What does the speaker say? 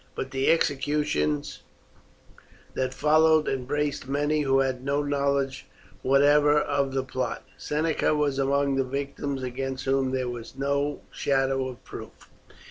But the executions that followed embraced many who had no knowledge whatever of the plot. Seneca was among the victims against whom there was no shadow of proof.